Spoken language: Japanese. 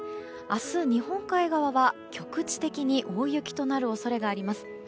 明日、日本海側は局地的に大雪となる恐れがあります。